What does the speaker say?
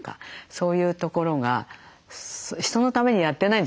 そういうところが人のためにやってないんですよね。